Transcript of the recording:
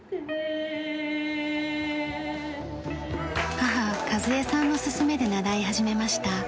母和枝さんの勧めで習い始めました。